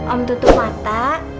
om tutup mata